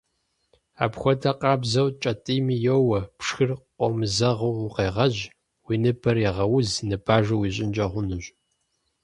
Апхуэдэ къабзэу, кӀэтӀийми йоуэ, пшхыр къомызэгъыу укъегъэжь, уи ныбэр егъэуз, ныбажэ уищӏынкӏэ хъунущ.